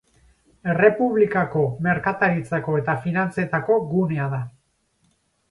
Errepublikako merkataritzako eta finantzetako gunea da.